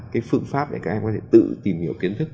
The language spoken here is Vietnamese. cái phương pháp để các em có thể tự tìm hiểu kiến thức